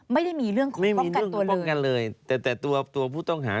ไม่ได้มีเรื่องของป้องกันตัวเลยไม่มีเรื่องของป้องกันเลยแต่ตัวผู้ต้องหา